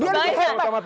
dia lebih hebat